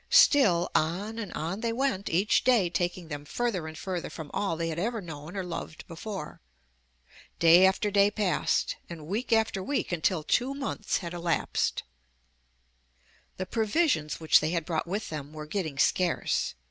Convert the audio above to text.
Still on 212 UP ONE PAIR OF STAIRS and on they went, each day taking them further and further from all they had ever known or loved before. Day after day passed, and week after week until two months had elapsed. The provisions which they had brought with them were getting scarce.